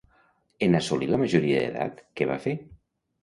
En assolir la majoria d'edat, què va fer?